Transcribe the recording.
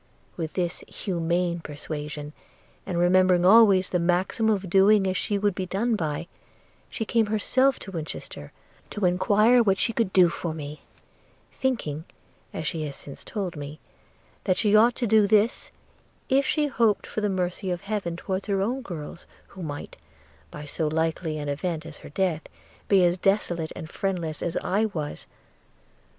With this humane persuasion, and remembering always the maxim of doing as she would be done by, she came herself to Winchester, to enquire what she could do for me – thinking, as she has since told me, that she ought to do this, if she hoped for the mercy of Heaven towards her own girls, who might, by so likely an event as her death, be as desolate and friendless as I was.